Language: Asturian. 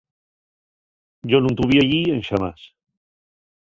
Yo nun tuvi ellí enxamás.